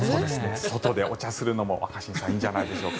外でお茶するのも若新さんいいんじゃないでしょうか。